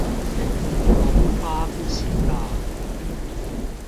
我不發不行啦！